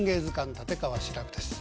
立川志らくです。